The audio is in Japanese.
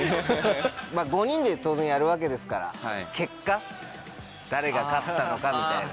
５人で当然やるわけですから結果誰が勝ったのかみたいな。